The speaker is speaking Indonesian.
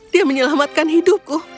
dia menyelamatkan hidupku